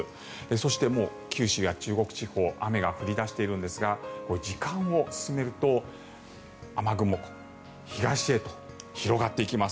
そして、もう九州や中国地方は雨が降り出しているんですが時間を進めると雨雲、東へと広がっていきます。